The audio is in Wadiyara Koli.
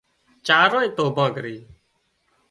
چارانئي توڀان ڪرِي